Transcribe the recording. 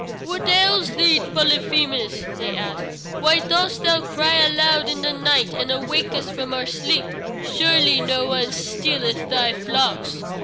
"What ails thee, Polyphemus?" they asked. "Why dost thou cry aloud in the night and awake us from our sleep? Surely no one stealeth thy flocks?